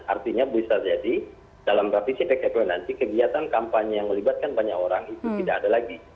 artinya bisa jadi dalam revisi pkpu nanti kegiatan kampanye yang melibatkan banyak orang itu tidak ada lagi